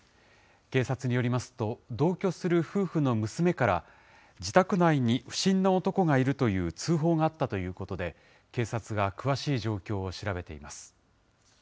警察によりますと、同居する夫婦の娘から、自宅内に不審な男がいるという通報があったということで、警察が詳しい状況を調べています。